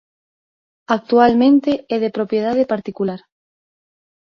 Actualmente é de propiedade particular.